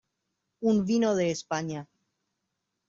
un vino de España.